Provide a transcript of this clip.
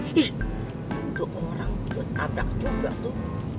ih itu orang gue tabrak juga tuh